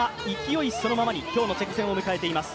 勢いそのままに今日のチェコ戦を迎えています。